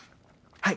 はい。